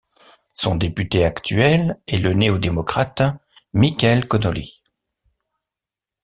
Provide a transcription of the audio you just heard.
Son député actuel est le néo-démocrate Michael Connolly.